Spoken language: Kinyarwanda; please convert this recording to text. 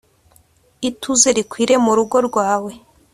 ituze rikwire mu rugo rwawe